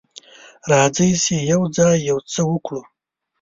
راځئ چې یوځای یو څه وکړو.